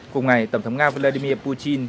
cùng ngày tổng thống nga vladimir putin